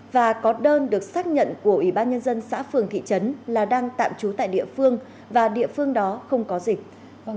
và có đơn được xác nhận của ủy ban nhân dân xã phường thị trấn là đang tạm trú tại địa phương và địa phương đó không có dịch